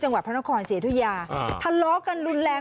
อ้าวแล้วทำยังไงต่อ